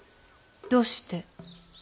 どうして？